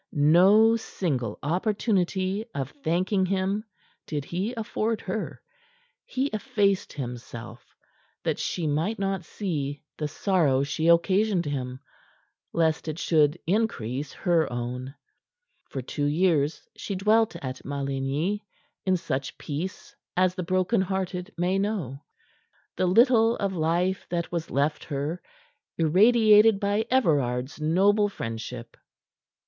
No single opportunity of thanking him did he afford her. He effaced himself that she might not see the sorrow she occasioned him, lest it should increase her own. For two years she dwelt at Maligny in such peace as the broken hearted may know, the little of life that was left her irradiated by Everard's noble friendship.